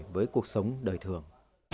với cuộc sống đời thường